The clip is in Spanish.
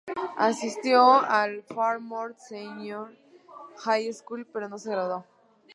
Asistió al Fairmont Senior High School, pero no se graduó.